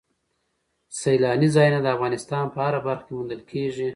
سیلانی ځایونه د افغانستان په هره برخه کې موندل کېږي.